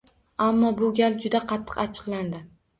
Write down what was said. Ammo bu gal juda qattiq achchiqlandi.